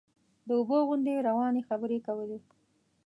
د اوبو غوندې روانې خبرې یې کولې.